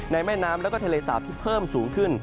แม่น้ำแล้วก็ทะเลสาปที่เพิ่มสูงขึ้น